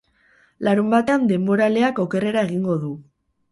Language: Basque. Larunbatean denboraleak okerrera egingo du.